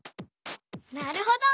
なるほど。